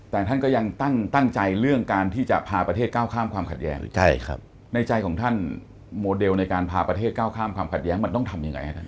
แต่ท่านก็ยังตั้งใจเรื่องการที่จะพาประเทศก้าวข้ามความขัดแย้งในใจของท่านโมเดลในการพาประเทศก้าวข้ามความขัดแย้งมันต้องทำยังไงครับท่าน